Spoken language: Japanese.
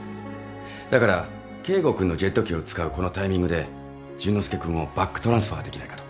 だから圭吾君のジェット機を使うこのタイミングで淳之介君をバックトランスファーできないかと。